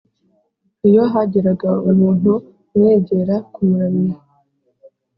Iyo hagiraga umuntu umwegera kumuramya